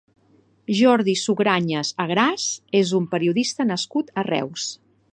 Jordi Sugranyes Agràs és un periodista nascut a Reus.